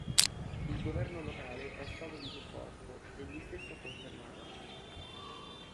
Il governo locale è stato di supporto, egli stesso ha confermato.